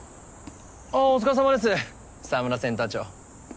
あぁお疲れさまです澤村センター長。